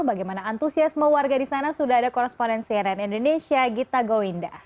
bagaimana antusiasma warga di sana sudah ada korespondensi rni indonesia gita goinda